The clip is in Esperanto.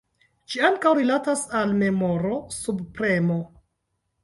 Ĝi ankaŭ rilatas al memoro subpremo.